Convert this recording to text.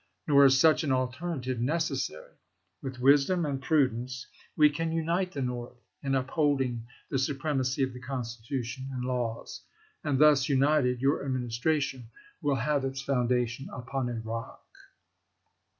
Nor is such an alternative necessary. With wisdom and prudence we can unite the North in upholding the suprem acy of the Constitution and laws, and thus united, Sncoin0, your Administration will have its foundation upon ec, Ms. a rock.